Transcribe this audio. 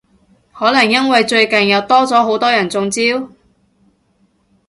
可能因為最近又多咗好多人中招？